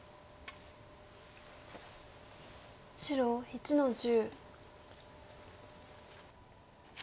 白１の十。